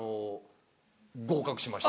合格しました。